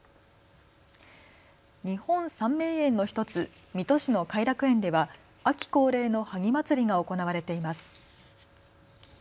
日本三名園の１つ、水戸市の偕楽園では秋恒例の萩まつりが行われています。